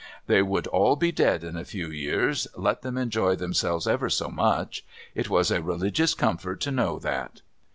They would all be dead in a few years, let them enjoy themselves ever so much. It was a religious comfort to know that.